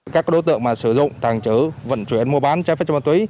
các đối tượng mà sử dụng tàng trở vận chuyển mua bán trái phép cho ma túy